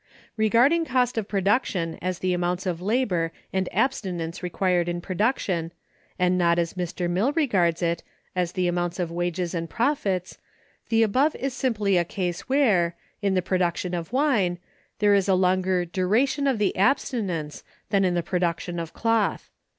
Regarding cost of production as the amounts of labor and abstinence required in production, and not as Mr. Mill regards it, as the amounts of wages and profits, the above is simply a case where, in the production of wine, there is a longer duration of the abstinence than in the production of cloth.